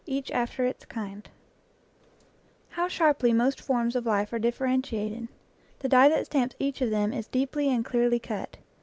EACH AFTER ITS KIND HOW sharply most forms of life are differenti ated! The die that stamps each of them is deeply and clearly cut.